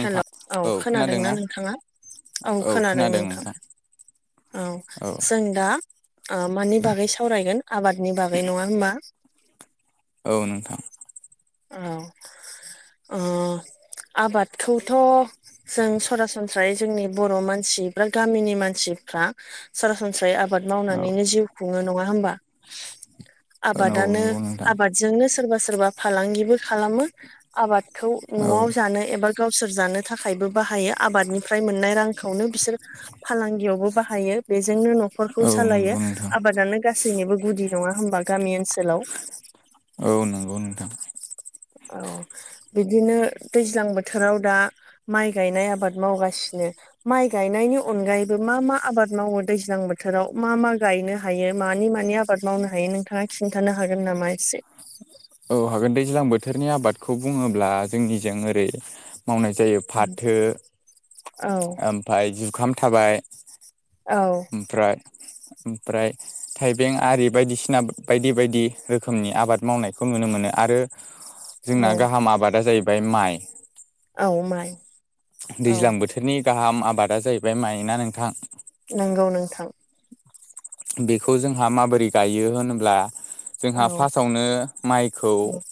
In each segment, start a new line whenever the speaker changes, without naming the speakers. हेल' औ खोनादोंना नोंथाङा औ खोनादों नोंथां। औ जों दा मानि बागै सावरायगोन आबाद
औ नोंथां
औ ओ आबादखौथ' जों सरासनस्रायै जोंनि बर' मानसि बा गामिनि मानसिफ्रा सरास सनस्रायै आबाद
औ
मावनानैनो जिउ खुंङो नङा होमबा।
औ
आबादानो
नंगौ नोंथां
आबादजोंनो सोरबा सोरबा फालांगिबो खालामो आबाद खौ
औ
न'आव जानो एबा गावसोर जानो थाखायबो बाहायो आबादनिफ्राय मोननाय रांखौनो बिसोर फालांगियावबो बाहायो बेजोंनो न'खरखौ
औ
सालायो
नंगौ नोंथां
आबादानो गासैनिबो गुदि नङा होम्बा गामि ओनसोलाव
औ नोंगौ नोंथां।
[inaudible] औ बिदिनो दैज्लां बोथोराव दा माइ गायनाय आबाद मावगासिनो माइ गायनायनि अनगायैबो मा मा आबाद मावो दैज्लां बोथोराव मा मा गायनो हायो मानि मानि आबाद मावनो हायो नोंथाङा खिन्थानो हागोन ना मा एसे
औ हागोन दैज्लां बोथोरनि आबादखौ बुङोब्ला जोंनिजों ओरै मावनाय जायो फाथो
औ
ओमफाय जुखाम थाबाय ।
औ
ओमफ्राय ओमफ्राय थाइबें आरि बायदिसिना बायदि बायदि रोखोमनि आबाद मावनायखौ नु नुनो मोनो आरो जोंना
औ
गाहाम आबादा जाहैबाय माइ।
औ माइ। औ
दैज्लां बोथोरनि गाहाम आबादा जाहैबाय माय नोंथां।
नोंगौ नोंथां
बेखौ जोंहा माबोरै गायो होनोब्ला
औ
जोंहा फासआवनो माइखौ
औ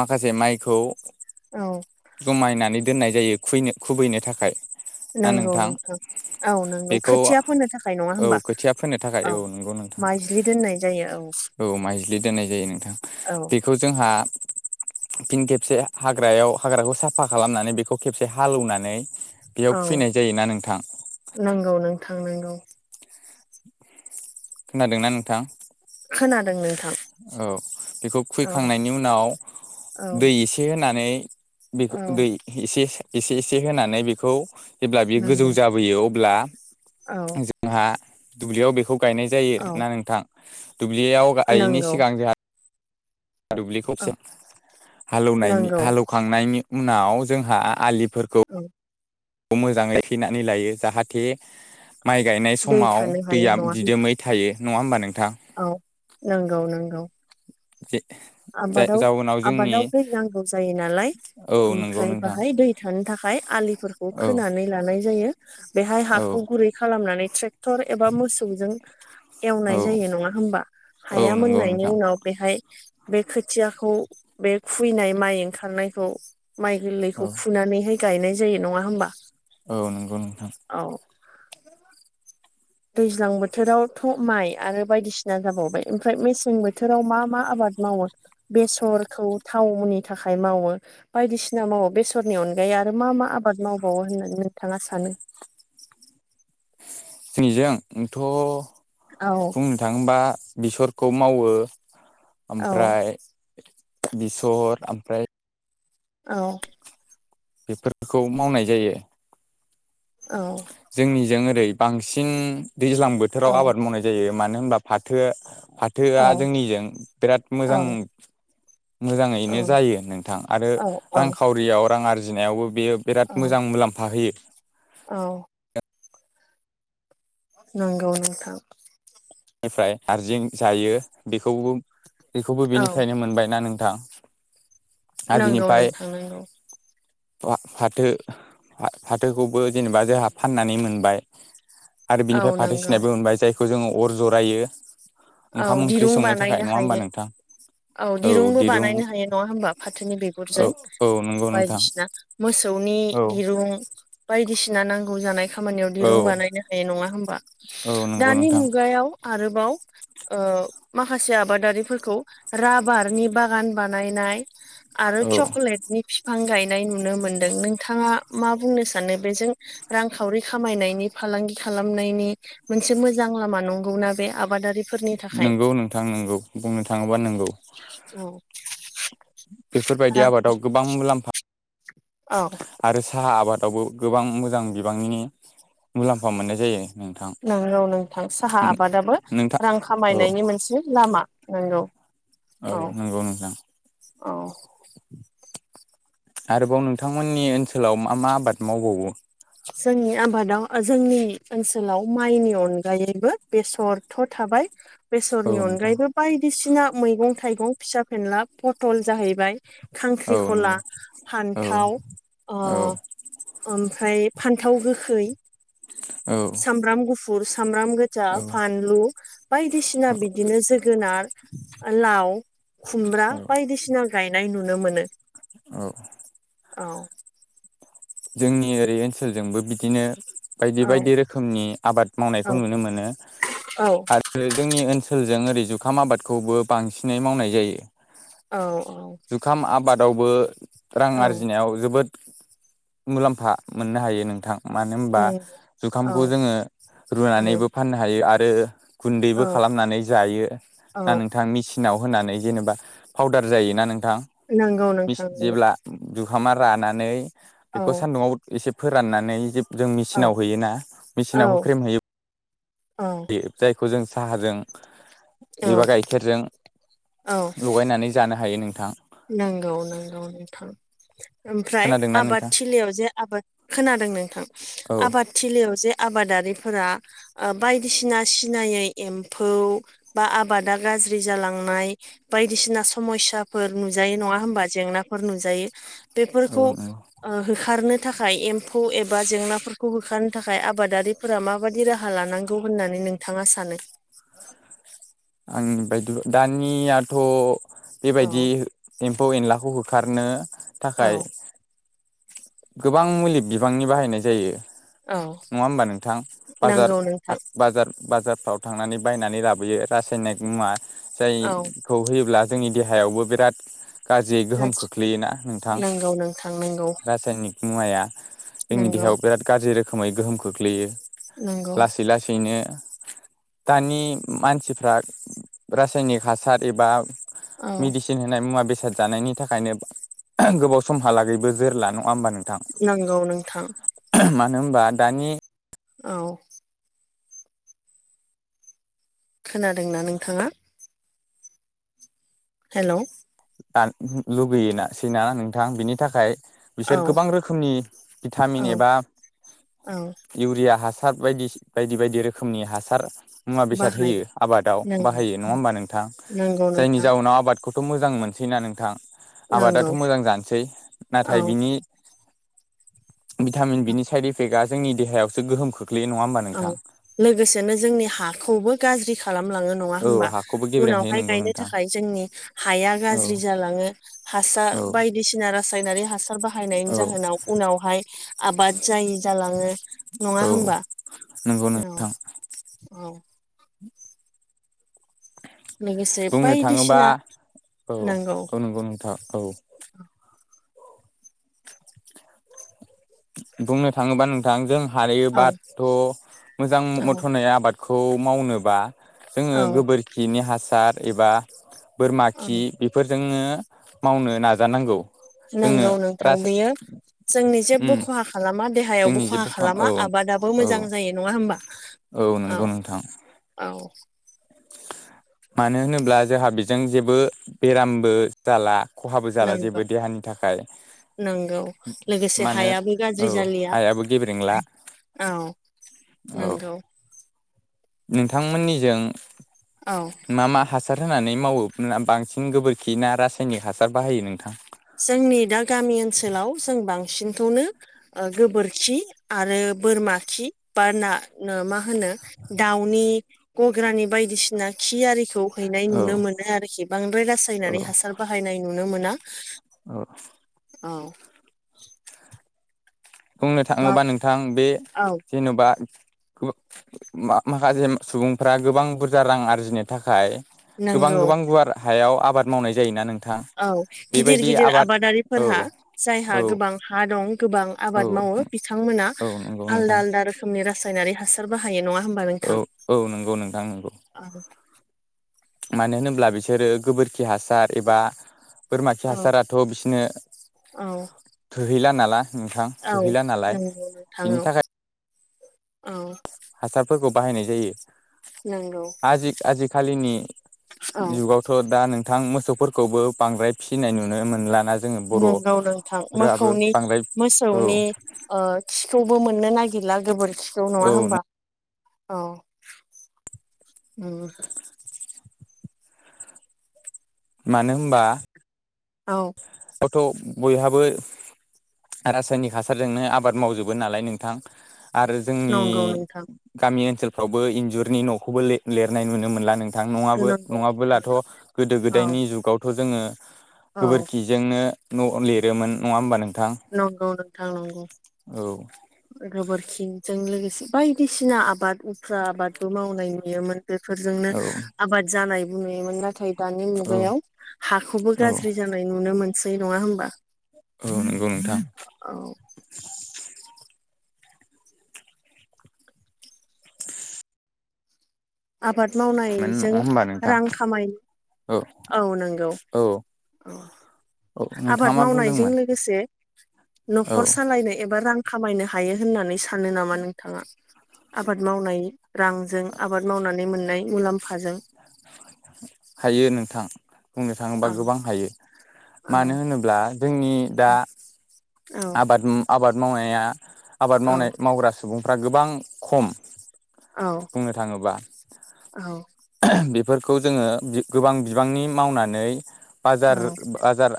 माखासे माइखौ
औ
जमायनानै दोननाय जायो खुयनो खुबैनो थाखाय ना
नोंगौ
नोंथां
नोंगौ औ नोंगौ
बेखौ
खोथिया फोनो थाखाय नङा
औ
होमबा?
खोथिया फोनो थाखाय
औ
नंगौ नोंथां
माइज्लि दोननाय जायो औ।
माइज्लि दोननाय जायो नोंथां
औ
बेखौ जोंहा फिन खेबसे हाग्रायाव हाग्राखौ साफा खालामनानै बेखौ खेबसे हालौवनानै बेयाव
औ
खुबैनाय जायोना नोंथां
थांनांगौ
खोनादोंना नोंथां?
खोनादों नों
औ बेखौ खुैखांनायनि उनाव
औ
दै एसे होनानै
औ
बेखौ दै एसे एसे एसे होनानै बेखौ जेब्ला बियो गोजौ
नंगौ
जाबोयो अब्ला
औ
जोंहा दुब्लियाव बेखौ गायनाय जायो
औ
ना नोंथां दुब्लियाव गायैनि
नंगौ
सिगां जोंहा दुब्लि
औ
खबसे हालौनायनि
नंगौ
हालौखांनायनि उनाव जोंहा आलि फोरखौ
औ
खौ मोजाङै थैनानै लायो जाहाथे माइ गायनाय
दै
समाव
थानो हायो
दैया
नङा होमबा
दिदोमै थायो नङा होमबा नों
औ नंगौ नंगौ
ए
आबादाव आबादाव दै नांगौ जायो नालाय
औ नंगौ
ओमफ्राय
नोंथां
बाहाय दै थानो थाखाय आलिफोरखौ
औ
खोनानै लानाय जायो बेहाय
औ
हाखौ गुरै खालामनानै ट्रेक्टर एबा मोसौजों
औ
एवनाय जायो नङा हबा
औ
हाया
नंगौ
मोननायनि
नोंथां
उनाव बेहाय बे खोथियाखौ बे खुबैनाय माइ ओंखारनायखौ माइ
औ
गोरलैखौ फुनानैहाय गायनाय जायो नङा होमबा?
औ नंगौ नोंथां
औ दैज्लां बोथोरावथ' माइ आरो बायदिसिना जाबावबाय ओमफ्राय मेसें बोथोराव मा मा आबाद मावो बेसरखौ थावनि थाखाय मावो बायदिसिना मावो बेसरनि अनगायै आरो मा मा आबा बाद मावबावो होननानै नोंथाङा सानो?
बिजों थ'
औ
बुंनो थाङोबा बिसरखौ मावो
औ
ओमफ्राय बेसर ओमफ्राय
औ
बेफोरखौ मावनाय जायो
औ
जोंनिजों ओरै बांसिन दैज्लां
औ
बोथोराव आबाद मावनाय जायो। मानो होनबा फाथो
औ
फाथोआ जोंनिजों बिराद
औ
मोजां मोजाङैनो जायो नोंथां आरो
औ औ
रांखावरियाव रां आरजिनायावबोब बेयो बिराद
औ
मोजां मुलाम्फा होयो।
औ। नांगौ नथां।
निफ्राय आरजिं जायो बेखौबो बेखौबो
औ
बिनिफ्रायनो मोनबायना नों दा।
नांगौ नोंथां नोंगौ।
फाथो फाथोखौबो जेनेबा जोंहा फाननानै मोनबाय। आरो बिनिफ्राय
औ
फाथो
नंगौ
सिनायबो मोनबाय जायखौ जोङो अर जरायो।
औ
ओंखाम ओंख्रि
दिरुं
संनो थाखाय
बानायनो
नङा
हायो
होमबा नोंथां।
औ दिरुंबो बानायनो हायो नङा होनबा फाथोनि
औ
बिगुरजों
औ नंगौ नोंथां
बायदिसिना मोसौ। नि
औ
दिरुं बायदिसिना नांगौ जानाय खा खामानियाव
औ
दिरुं बानायनो हाय नङा होमबा
औ नंगौ
दानि
नोंथां
मुगायाव आरोबाव ओ माखासे आबादारिफोरखौ राबारनि बागान बानायनाय। आरो
औ
चकलेटनि बिफां गायन नाय नुनो मोनदों नोंथाङा मा बुंनो सानो बेजों रांखावरि खामायनायनि फालांगि खा नायनि मोनसे मोजां लामा नंगौना बे आबादारिफ
नंगौ नोंथां नोंगौ बुंनो थाङोबा नंगौ।
औ
बेफोरबायदि
रां
आबादाव गोबां मुलाम्फा
औ
आरो साहा आबादावबो गोबां मोजां बिबांनिनो मुलाम्फा मोननाय जायो। नोंथां
नोंगौ नोंथां साहा आबादाबो
नोंथां
रां
औ
खामायनायनि मोनसे लामा नोंगौ।
औ नोंगौ नोंथां।
औ
आरोबाव नोंथांमोननि ओनसोलाव मा मा आबाद मावबावो।
जोंनि आबादाव ओ जोंनि ओनसोलाव माइनि अनगायैबो बेसरथ' थाबाय। बेसरनि
औ नोंथां
अनगायैबो बायदिसिना मैगं थाइगं फिसा फेनला पथल जाहैबाय।
औ
खांख्रिखला
नंगौ औ
फान्थाव ओ ओमफ्राय फान्थाव गोखै।
औ
सामब्राम गुफुरस स सामब्राम गोजा
औ
फानलु बायदिसिना बिदिनो जोगोनार ओलाव। खुमब्रा
औ
बायदिसिना गायनाय नुनो मोनो।
औ।
औ।
जोंनि ओरै ओनसोलजोंबो बिदिनो। बायदि
औ
बायदि रोखोमनि आबाद
औ
मावनायखौ नुनो मोनो। आरो जोंनि ओनसोलजों ओरै जुखाम आबादखौबो बांसिनै मावनाय जायो।
औ औ।
बादावबो रां आरजिनायाव जोबोद मुलाम्फा मोननो हायो नोंथां। मानो होमबा
औ औ
जुखामखौ जोङो
औ
रुनानैबो फाननो हायो आरो गुन्दैबो
औ
खालामनानै जायो
औ
ना नोंथांनिसि नाव होनानै जेनेबा पाउदार जायोना नोंथां
नंगौ
मिस
नोंथां नंगौ
जेब्ला जुखामा रानानै
औ
बेखौ सान्दुंङाव एसे फोराननानै जिब जों
औ
मेचिनाव होयोना
औ
मेचिनाव होख्रेम होयो।
औ
जायखौ जों साहाजों
औ
एबा गाइखेरजों। लगायनानै जानो हायो नोंथां।
नोंगौ नोंगौ नोंथां। ओमफ्राय
खोनादोंना
आबाद
नोंथां
थिलियाव जे आबाद खोनादों नोंथां
औ
आबाद थिलियाव जे आबादारिफोरा ओ बायदिसिना सिनायै एम्फौ बा आबादगा ज्रि जालांनाय बाइदि सिना समयसाफोर- नुजायो नङा होमबा जेंनाफोर नुजायो
औ
बेफोरखौ
नंगौ
ओ होखारनो थाखाय एम्फौ एबा जेंनाफोर खौ होखारनो थाखाय आबादारिफोरा माबाददि राहा लानांगौ होननानै नोंथाङा सानो हवा
आंनि बायदिबा दानियाथ'
औ
बेबायदि एम फौ एनलाखौ होखारनो थाखाय
औ
गोबां मुलि बिबांनि बाहायनाय जायो
औ
नङा होमबा नोंथां बाजार
नांगौ नोंथां
पाट बाजार बाजारफ्राव थांनानै बायनानै लाबोयो रासायनेक मुवा
औ
जायखौ होयोब्ला जोंनिे देहायावबो बिराद गाज्रि गोहोम खोख्लैयोना नोंथां
नांगौ नोंथां नोंगौ
सायनिक मुवाया जोंनि
नोंगौ
देहायाव बिराद गाज्रि रोखोमै गोहोम खोख्लैयो
नोंगौ
लासै लासैनो दानि मानसिफ्रा रासायनिक हासार एबा
औ
मेडिसिन होनाय मुवा बेसाद जानायनि थाखायनो ग्हो गोबाव समहालागैबो जोरला न
नोंगौ नोंथां
नो होमबा दानि
औ खोनादोंना नोंथाङा हेलौ
दानो लुगैयोना सैना नोंथां बिनि थाखाय
औ
बिसोर गोबां रोखोमनि भिटामिन
औ
एबा
औ
इउरिया हासार हासार बायदि बायदि बायदि रोखोमनि हासार मुवा बेसाद होयो
बाहायो
आबादाव
नंगौ
बाहायो नङा होमबा नोंथां
नंगौ
जायनि
नोंथां
जाउनाव आबाद खौथ' मोजां मोनसैनाा नोंथां
नंगौ
आबादाथ' मोजां जानोसै नाथाय
औ
बिनि भिटामिन बिनि साइड इफेक्टआ जोंनि देहायावसो गोहोम खोख्ल
औ लोगोसेनो जोंनि हाखौबो गाज्रि खालामलाङो नङा
औ
होमबा
हाखौबो गेब्रेंहैयो
उनावहाय
नंगौ
गायनो
नोंथां
थाखाय जोंनि हाया
औ
गाज्रि जालाङो। हासार
औ
बायदिसिना रासायनारि हासार बाहायनायनि
औ
जाहोनाव उनावहाय आबाद जायो जालाङो नङा
औ
होनबा
नंगौ
औ
नोंथां
औ।
[inaudible]
लोगोसे
बुंनो थाङोबा
बायदिसिना
औ
नांगौ
औ नंगौ नंगौ‌ नोंथां। औ। बुंनो थाङोबा नोंथां जों
औ
हायोबाथ' मोजां
औ
मथ'नाय आबाद खौ मावनोबा जोङो
औ
गोबोरखिनि हासार एबा बोरमा
औ
खि बेफोरजोंनो मावनो नाजानांगौ। जोंनो
नांगौ नोंथां
राज
बियो जों जे बो
उम
खहा खालामा देहायावबो
जोंनि
खहा
जेबो खाम
खालामा
औ
आबादाबो
औ
मोजां जायो नङा होमबा।
औ नोंगौ नोंथां।
औ।
मानो होनोब्ला जोंहा बेजों जेबो बेरामबो जाला खहाबो जाला
नंगौ
जेबो देहानि थाखाय
नंगौ लोगोसे
मानो
हायाबो
औ
गाज्रि जालिया
हायाबो गेब्रेंला
औ।
औ
नंगौ।
नोंथांमोननिजों
औ
मा मा हासार हासार होनानै मावो बांसिन गोबोरखि ना रासायनिक हासार बाहायो नोंथां?
जोंनि दा गामि ओनसोलाव जों बांसिनखौनो गोबोरखि आरो बोरमा खि बा ना मा होनो दाउनि गग्रानि बायदिसिना खि आरिखौ हैनाय
औ
नुनो मोनो आरोखि बांद्राय रासायनारि
औ
हासार बाहायनाय नुनो मोना।
औ।
औ
बुंनो
बा
थाङोबा नोंथां बे
औ
जेन'बा माखासे सुबुंफ्रा गोबां बुरजा रां आरजिनो थाखाय गोबां
नंगौ
गोबां गुवार हायाव आबाद मावनाय जायोना नों?
औ गिदिर गिदिर आबादारिफोरहा
औ
जायहा
औ
गोबां हा दं गोबां
औ
आबाद। मावो बिथांमोना
औ नंगौ
आलदा
नोंथां
आलदा रोखोमनि रासायनारि हासार बाहायो नङा। होमबा
औ
नोंथां
औ नंगौ नोंथां नंगौ
औ
मानो होनोब्ला बिसोरो गोबोरखि खि हासार एबा बोरमा खि
औ
हासाराथ' बिसिनो
औ
थोहैला नालाय नोंथां
औ
थोहैला नालाय
नंगौ नोंथां
बिनि
औ
थाखाय
औ
हासारफोरखौ बाहायनाय जायो।
नंगौ
आजिखालिनि
औ
जुगावथ' दा नों नोंथां मोसौफोरखौबो बांद्राय फिसिनाय नुनो मोनलाना जायो।
नंगौ नोंथां मोखौनि
बांद्राय औ
मोसौनि ओ खिखौबो मोननो नागिर गैला गोबोरखिखौ नङा
औ
होमबा औ
मानो होमबा
औ
थ बयहाबो रासायनिक हासारजोंनो आबाद मावजोबो नालाय नोंथां। आरो जोंनि
नंगौ नोंथां
गामि ओनसोलफ्रावबो इन्जुरनि नखौबो लिरनाय नुनो मोनला नों थां नङाबो
नंगौ नोंथां
नङाबोलाथ गोदो
औ
गोदायनि जुगावथ जोङो
औ
गोबोरखिजोंनो न लिरोमोन नङा होमबा नों
नंगौ नोंथां नंगौ
औ
गोबोरखिजों लोगोसे बायदिसिना आबाद उफ्रा आबादबो मावनाय नुयोमोन बेफोरजोंनो
औ
आबाद जानाय नुयोमोन नाथाय दानि
औ
मुगायाव हाखौबो
औ
गाज्रि जानाय नुनो मोनसै दै नङा होमबा
औ नंगौ नोंथां।
औ आबाद
मानो नङा
मावनायजों
होमबा नोंथां
रां खामाय औ नंगौ
औ
औ
औ
आबाद
नोंथाङा मा
मावनायजों
बुंदोंमोन
लोगोसे
औ
नखर सालायनो एबा रां खामायनो हायो होननानै सानो नामा नोंथांङा आबाद मावनाय रां आबाद मावनानै मोननाय मुलाम्फाजों
हायो नोंथां बुंनो थांङोबा
औ
गोबां हायो
औ
मानो होनोब्ला जोंनि दा
औ
आबाद आबाद मावनाया आबाद मावनाय
औ
मावग्रा सुबुंफ्रा गोबां खम बुंनो थांङोबा।
औ
बेफोरखौ जोङो गोबां बिबांनि मावनानै बाजार
औ
बाजार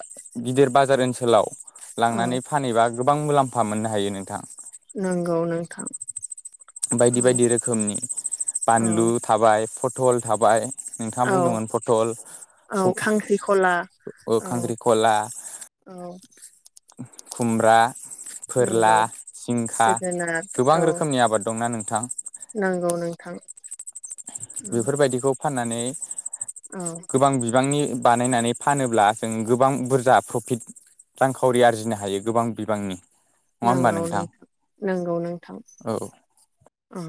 गिदिर बाजार ओनसोलाव
औ
लांनानै फानहैबा गोबां मुलाम्फा मोननो हायो नोंथां।
नंगौ नोंथां
बायदि
औ
बायदि रोखोमनि
औ
बानलु थाबाय फथल थाबाय नोंथांङा
औ
बुंदोंमोन फटल
औ
स
खांख्रिखला
ओ
औ
खांख्रिखला
औ
खुमब्रा फोरला
नंगौ
जिंखा
जोगोनार
गोबां
औ
रोखोमनि आबाद दंना नोंथां
नंगौ नोंथां। औ
बेफोरबायदिखौ फाननानै
औ
गोबां बिबांनि बानायनानै फानोब्ला जों गोबां बुरजा प्रफिट रांखावरि आरजिनो हायो गोबां बिबांनि नङा होमबा
नंगौ नोंथां नंगौ नोंथां
औ
औ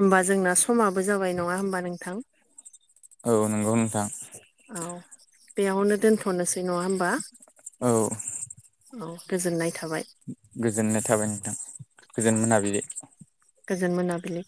होमबा जोंना समाबो जाबाय नङा होमबा नोंथां
औ नंगौ नोंथां
औ बेयावनो दोनथनोसै नङा होमबा
औ
औ गोजोननाय थाबाय
गोजोननाय थाबाय नोंथां गोजोन मोनाबिलि
गोजोन मोनाबिलि